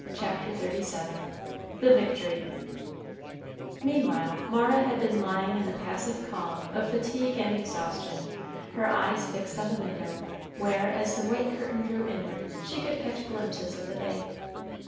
CHAPTER XXXVII THE VICTORY Meanwhile Mara had been lying in the passive calm of fatigue and exhaustion, her eyes fixed on the window, where, as the white curtain drew inward, she could catch glimpses of the bay.